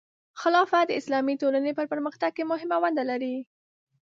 خلافت د اسلامي ټولنې په پرمختګ کې مهمه ونډه لري.